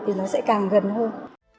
thì nó sẽ càng gần hơn